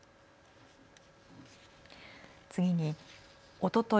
次に、おととい